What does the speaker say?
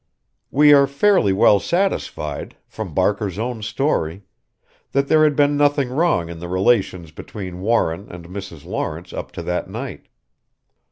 "We are fairly well satisfied from Barker's own story that there had been nothing wrong in the relations between Warren and Mrs. Lawrence up to that night.